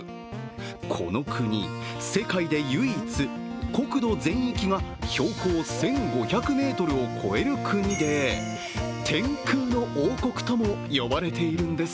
この国、世界位で唯一、国土全域が標高１５００ｍを超える国で天空の王国とも呼ばれているんです。